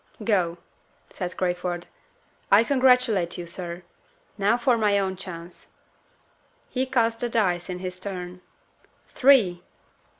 "Go," said Crayford. "I congratulate you, sir. Now for my own chance." He cast the dice in his turn. Three!